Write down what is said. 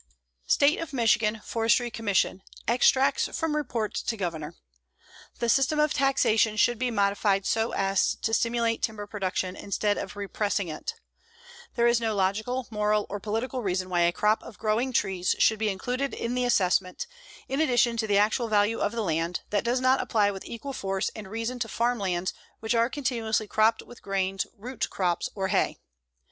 STATE OF MICHIGAN FORESTRY COMMISSION (extracts from report to governor): The system of taxation should be modified so as to stimulate timber production instead of repressing it. There is no logical, moral or political reason why a crop of growing trees should be included in the assessment, in addition to the actual value of the land, that does not apply with equal force and reason to farm lands which are continuously cropped with grains, root crops or hay.